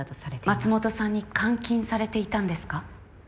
松本さんに監禁されていたんですか？